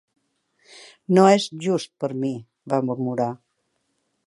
"No és just per a mi", va murmurar.